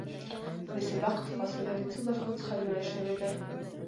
د سبقت فاصله د څو برخو څخه جوړه شوې ده